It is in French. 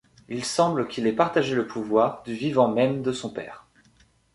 Il semble qu’il ait partagé le pouvoir du vivant même de son père.